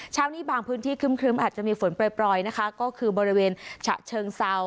เช้านี้บางพื้นที่ครึ้มอาจจะมีฝนปล่อยนะคะก็คือบริเวณฉะเชิงเซา